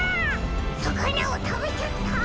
さかなをたべちゃった！